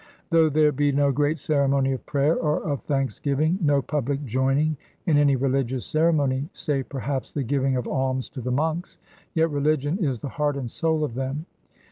Though there be no great ceremony of prayer, or of thanksgiving, no public joining in any religious ceremony, save, perhaps, the giving of alms to the monks, yet religion is the heart and soul of them.